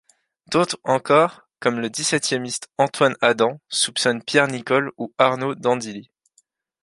D'autres encore, comme le dix-septiémiste Antoine Adam, soupçonnent Pierre Nicole ou Arnaud d’Andilly.